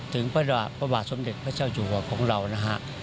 ถึงพระบาทสมเด็จพระเจ้าจูบของเรานะครับ